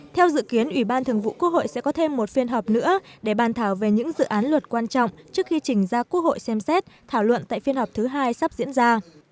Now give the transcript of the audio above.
theo dự kiến ủy ban thường vụ quốc hội sẽ có thêm một phiên họp nữa để bàn thảo về những dự án luật quan trọng trước khi trình ra quốc hội xem xét thảo luận tại phiên họp thứ hai sắp diễn ra